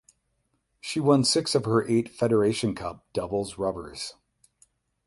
She won six of her eight Federation Cup doubles rubbers.